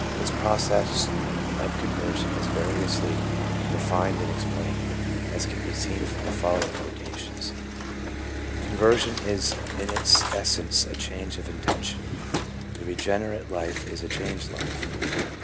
This process of conversion is variously defined and explained, as can be seen from the following quotations :— "Conversion is in its essence a change of intention." 1 "The regenerate life is a changed life